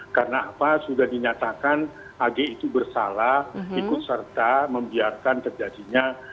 karena sudah dinyatakan ag itu bersalah ikut serta membiarkan kejadinya